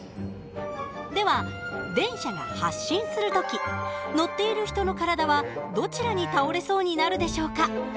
では電車が発進する時乗っている人の体はどちらに倒れそうになるでしょうか？